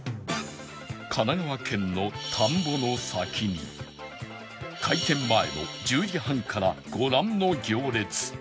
神奈川県の田んぼの先に開店前の１０時半からご覧の行列